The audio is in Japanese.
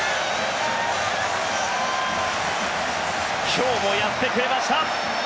今日もやってくれました。